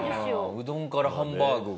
うどんからハンバーグが。